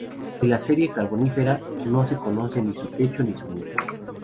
De la serie carbonífera no se conocen ni su techo ni su muro.